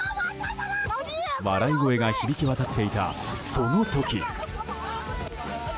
笑い声が響き渡っていたその時。